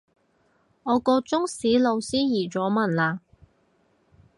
我個中史老師移咗民喇